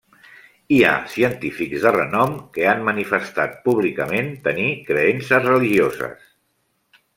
Hi ha científics de renom que han manifestat públicament tenir creences religioses.